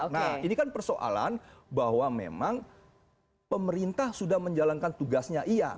nah ini kan persoalan bahwa memang pemerintah sudah menjalankan tugasnya iya